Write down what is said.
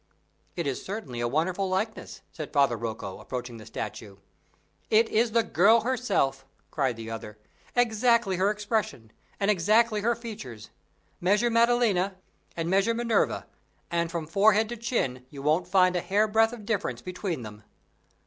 "It is certainly a wonderful likeness," said Father Rocco, approaching the statue. "It the girl herself," cried the other. "Exactly her expression, and exactly her features. Measure Maddalena, and measure Minerva, and from forehead to chin, you won't find a hair breadth of difference between them."